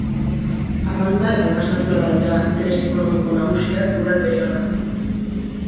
Arrantza eta gas naturala dira interes ekonomiko nagusiak eurak bereganatzeko.